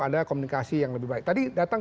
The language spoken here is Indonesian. ada komunikasi yang lebih baik tadi datang